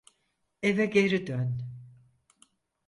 Eve geri dön.